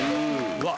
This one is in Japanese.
うわっ！